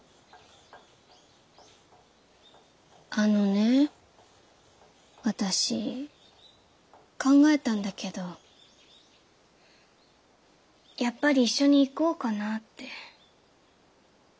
あのね私考えたんだけどやっぱり一緒に行こうかなって。